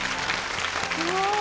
すごい。